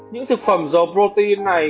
những thực phẩm dầu protein này